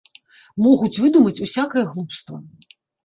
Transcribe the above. Могуць выдумаць усякае глупства.